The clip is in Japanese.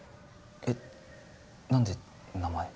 えっ何で名前